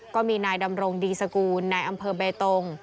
ก็มีนายดำรงดีสกูลนายอำเภอเบตง